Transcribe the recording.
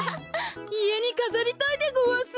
いえにかざりたいでごわす。